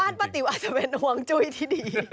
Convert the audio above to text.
ป้าติ๋วอาจจะเป็นห่วงจุ้ยที่ดี